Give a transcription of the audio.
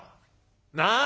なあ。